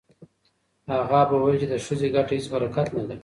اغا به ویل چې د ښځې ګټه هیڅ برکت نه لري.